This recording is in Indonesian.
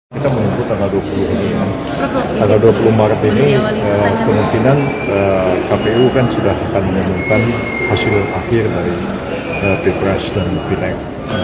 kita mengumpulkan pada dua puluh maret ini kemungkinan kpu kan sudah akan menyembunyikan hasil akhir dari bpras dan bnp